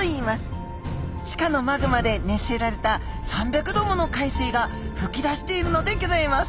地下のマグマで熱せられた３００度もの海水が噴き出しているのでぎょざいます。